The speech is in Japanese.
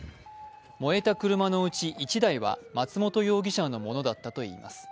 燃えた車のうち１台は松本容疑者のものだったといいます。